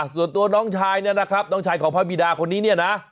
ส่วนตัวน้องชายเนี่ยนะครับน้องชายของพระบิดาคนนี้เนี่ยนะ